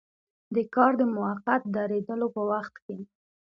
د کار د موقت دریدلو په وخت کې.